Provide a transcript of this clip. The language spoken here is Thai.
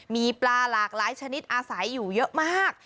มีปลาหลากหลายชนิดอาศัยอยู่เยอะมาก